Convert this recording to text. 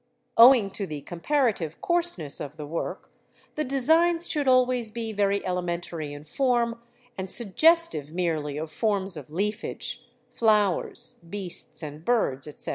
Owing to the comparative coarseness of the work, the designs should always be very elementary in form, and suggestive merely of forms of leafage, flowers, beasts and birds, etc.